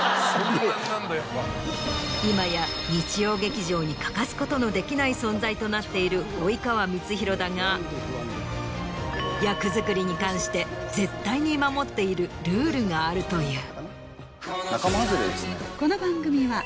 今や日曜劇場に欠かすことのできない存在となっている及川光博だが役作りに関して絶対に守っているルールがあるという。